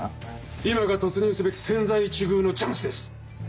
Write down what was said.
今が突入すべき千載一遇のチャンスです。